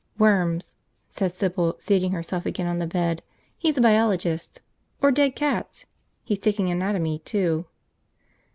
"Worms," said Sybil, seating herself again on the bed. "He's a biologist. Or dead cats. He's taking anatomy, too."